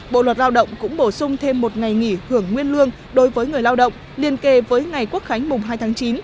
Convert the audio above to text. bộ luật lao động cũng bổ sung thêm một ngày nghỉ hưởng nguyên lương đối với người lao động liên kề với ngày quốc khánh mùng hai tháng chín